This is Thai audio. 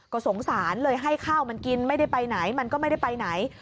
ก็สงสารเลยให้ข้าวมันกินไม่ได้ไปไหนมันก็ไม่ได้ไปไหน